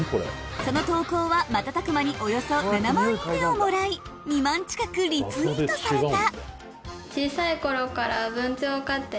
その投稿は瞬く間におよそ７万いいね！をもらい２万近くリツイートされた。